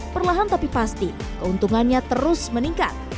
perlahan tapi pasti keuntungannya terus meningkat